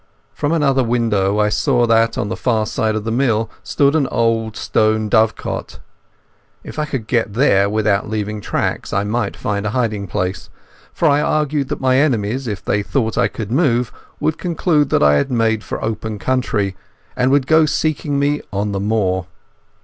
From another window I saw that on the far side of the mill stood an old stone dovecot. If I could get there without leaving tracks I might find a hiding place, for I argued that my enemies, if they thought I could move, would conclude I had made for open country, and would go seeking me on the moor.